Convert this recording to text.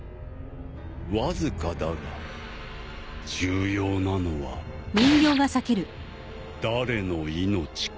わずかだが重要なのは誰の命か。